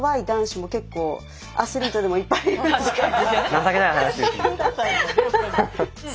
情けない話です。